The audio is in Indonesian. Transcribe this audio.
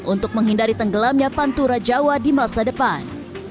untuk menghindari tenggelamnya pantura jawa di masa depan